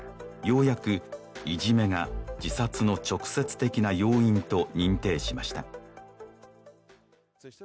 ようやく「いじめが自殺の直接的な要因」と認定しました